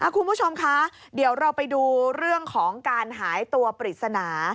คุณผู้ชมคะเดี๋ยวเราไปดูเรื่องของการหายตัวปริศนา